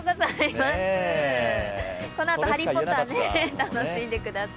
このあと「ハリー・ポッター」、楽しんでください。